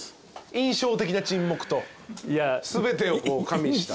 印象的な沈黙と全てを加味した。